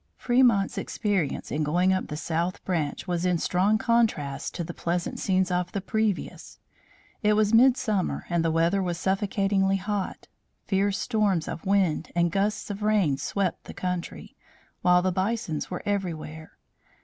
Fremont's experience in going up the south branch was in strong contrast to the pleasant scenes of the previous. It was midsummer and the weather was suffocatingly hot. Fierce storms of wind and gusts of rain swept the country, while the bisons were everywhere.